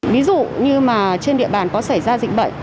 ví dụ như trên địa bàn có xảy ra dịch bệnh